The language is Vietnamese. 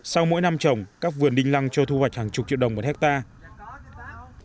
sau mỗi năm trồng các vườn đinh lăng cho thu hoạch hàng chục triệu đồng một hectare